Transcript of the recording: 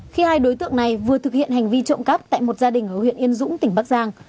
khi hai đối tượng này vừa thực hiện hành vi trộm cắp tại một gia đình ở huyện yên dũng tỉnh bắc giang